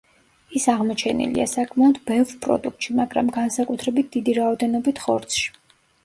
ის აღმოჩენილია საკმაოდ ბევრ პროდუქტში, მაგრამ განსაკუთრებით დიდი რაოდენობით ხორცში.